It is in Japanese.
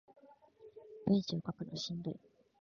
文章書くのしんどい